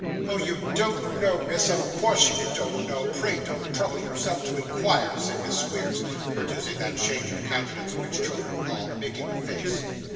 'Oh! you don't know, miss, of course you don't know. Pray don't trouble yourself to inquire,' said Miss Squeers, producing that change of countenance which children call making a face.